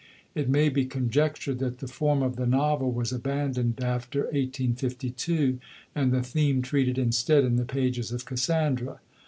It may be conjectured that the form of the novel was abandoned after 1852, and the theme treated instead in the pages of "Cassandra."